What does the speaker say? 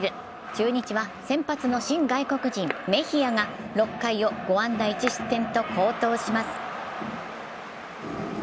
中日は先発の新外国人・メヒアが６回を５安打１失点と好投します。